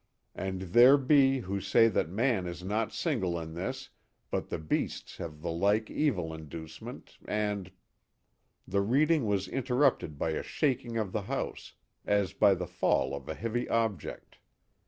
And there be who say that man is not single in this, but the beasts have the like evil inducement, and—" The reading was interrupted by a shaking of the house, as by the fall of a heavy object.